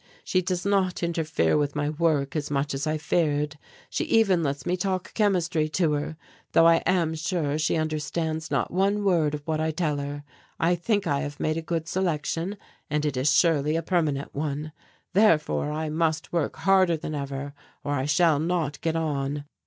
She does not interfere with my work as much as I feared. She even lets me talk chemistry to her, though I am sure she understands not one word of what I tell her. I think I have made a good selection and it is surely a permanent one. Therefore I must work harder than ever or I shall not get on."